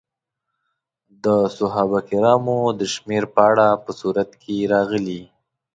د صحابه کرامو د شمېر په اړه په سورت کې راغلي.